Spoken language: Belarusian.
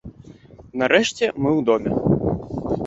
Нарэшце мы ў доме.